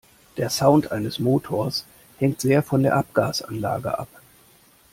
Der Sound eines Motors hängt sehr von der Abgasanlage ab.